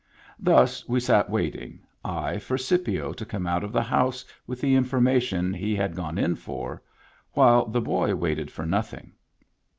Thus we sat waiting, I for Scipio to come out of the house with the information he had gone in for, while the boy waited for nothing.